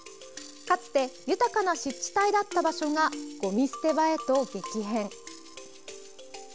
かつて豊かな湿地帯だった場所がごみ捨て場へと激変。